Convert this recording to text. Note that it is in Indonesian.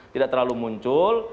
tidak terlalu muncul